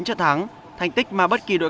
một mươi chín trận thắng thành tích mà bất kỳ đội